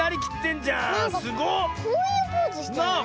こういうポーズしてない？